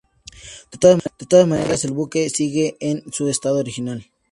De todas maneras, el buque sigue en su estado original.